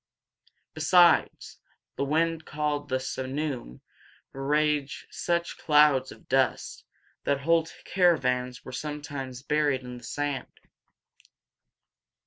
Besides, the wind called the simoom raised such clouds of dust that whole caravans were sometimes buried in the sand.